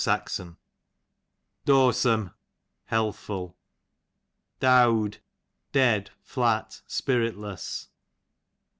S. Dosome, liealthful. Dowd, dead, flat, spiritless.